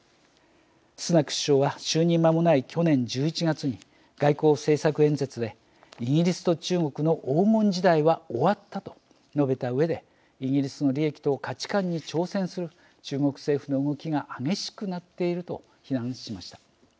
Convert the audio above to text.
スナク首相が就任まもない去年１１月に外交政策演説で「イギリスと中国の黄金時代は終わった」と述べたうえでイギリスの利益と価値観に挑戦する中国政府の動きが激しくなっていると非難しました。